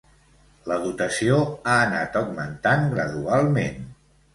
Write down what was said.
La dotació ha anat augmentant gradualment.